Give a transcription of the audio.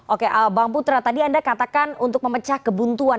oke bang putra tadi anda katakan untuk memecah kebuntuan